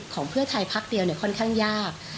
เพื่อไทยพักเดียวค่อนข้างยาก